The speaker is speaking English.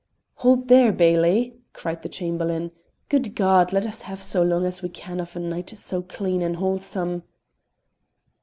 "Hold there, Bailie!" cried the Chamberlain. "Good God! let us have so long as we can of a night so clean and wholesome."